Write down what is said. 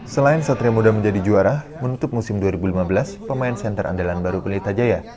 selain satria muda menjadi juara menutup musim dua ribu lima belas pemain center andalan baru pelita jaya